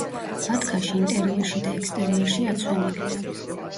ბათქაში ინტერიერში და ექსტერიერში აცვენილია.